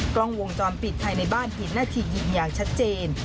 กล้องวงจอมปิดใครในบ้านผิดหน้าทียิ่งอย่างชัดเจน